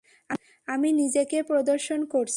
আমি নিজেকে প্রদর্শন করছি।